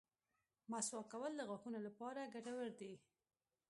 مسواک کول د غاښونو لپاره ګټور دي.